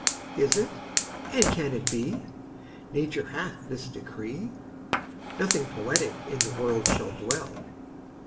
Is it, and can it be, Nature hath this decree, Nothing poetic in the world shall dwell?